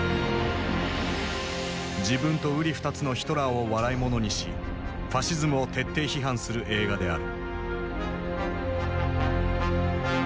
自分とうり二つのヒトラーを笑いものにしファシズムを徹底批判する映画である。